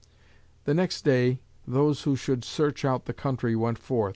The next day those who should search out the country went forth.